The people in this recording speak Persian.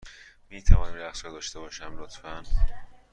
می توانم این رقص را داشته باشم، لطفا؟